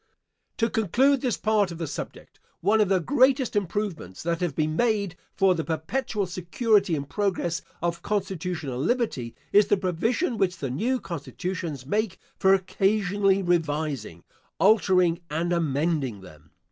To conclude this part of the subject: One of the greatest improvements that have been made for the perpetual security and progress of constitutional liberty, is the provision which the new constitutions make for occasionally revising, altering, and amending them.